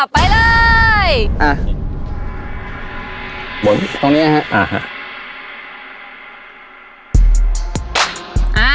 ไปเลยอะ